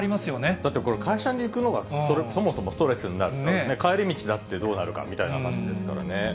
だってこれ、会社に行くのがそもそもストレスになってね、帰り道だってどうなるかみたいな話になりますからね。